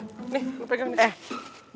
nih lu pegang nih